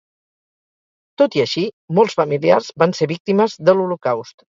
Tot i així, molts familiars van ser víctimes de l'Holocaust.